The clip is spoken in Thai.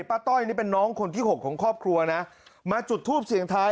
ต้อยนี่เป็นน้องคนที่หกของครอบครัวนะมาจุดทูปเสียงท้าย